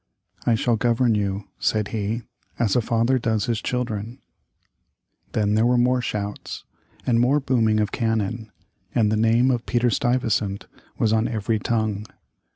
"I shall govern you," said he, "as a father does his children." Then there were more shouts, and more booming of cannon, and the name of Peter Stuyvesant was on every tongue.